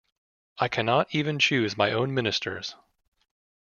I cannot even choose my own ministers.